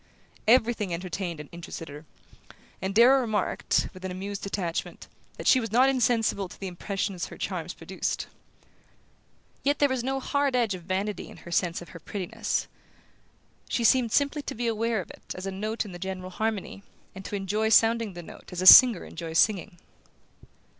Everything entertained and interested her, and Darrow remarked, with an amused detachment, that she was not insensible to the impression her charms produced. Yet there was no hard edge of vanity in her sense of her prettiness: she seemed simply to be aware of it as a note in the general harmony, and to enjoy sounding the note as a singer enjoys singing.